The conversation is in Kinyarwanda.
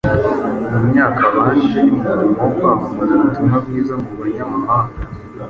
Mu myaka yabanje y’umurimo wo kwamamaza ubutumwa bwiza mu banyamahanga,